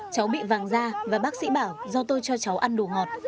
cháu bị vàng da và bác sĩ bảo do tôi cho cháu ăn đồ ngọt